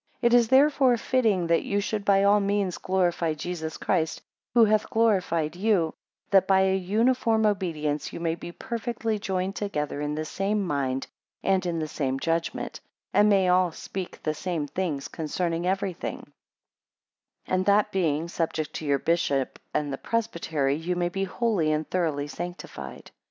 8 It is therefore fitting that you should by all means glorify Jesus Christ, who hath glorified you that by a uniform obedience ye may be perfectly joined together in the same mind, and in the same judgment; and may all speak the same things concerning everything: 9 And that being, subject to your bishop, and the presbytery, ye may be wholly and thoroughly sanctified.